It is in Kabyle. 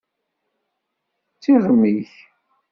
D tiɣmi-k!